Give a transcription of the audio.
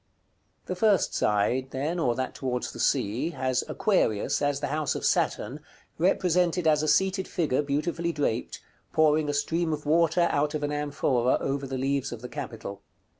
§ CVIII. The first side, then, or that towards the Sea, has Aquarius, as the house of Saturn, represented as a seated figure beautifully draped, pouring a stream of water out of an amphora over the leaves of the capital.